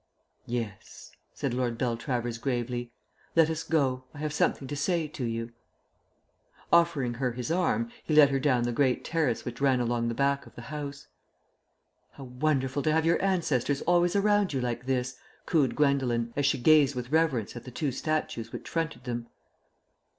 "Yes," said Lord Beltravers gravely. "Let us go. I have something to say to you." Offering her his arm, he led her down the great terrace which ran along the back of the house. "How wonderful to have your ancestors always around you like this!" cooed Gwendolen, as she gazed with reverence at the two statues which fronted them.